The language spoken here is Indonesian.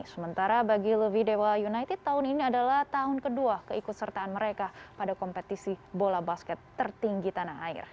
sementara bagi lovi dewa united tahun ini adalah tahun kedua keikut sertaan mereka pada kompetisi bola basket tertinggi tanah air